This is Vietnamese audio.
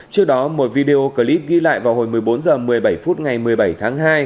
trước đó một video clip ghi lại vào hồi một mươi bốn h một mươi bảy phút ngày một mươi bảy tháng hai